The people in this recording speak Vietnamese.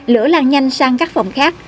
lửa lan nhanh sang các phòng khác